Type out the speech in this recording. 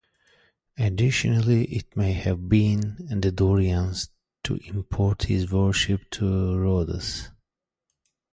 Additionally, it may have been the Dorians to import his worship to Rhodes.